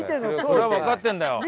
そりゃわかってんだよ。